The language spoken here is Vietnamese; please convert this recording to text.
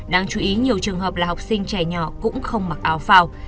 đáng chú ý nhiều trường hợp là học sinh trẻ nhỏ cũng không mặc áo phao